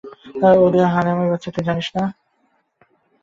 ওরে হারামির বাচ্চা, তুই জানিস না।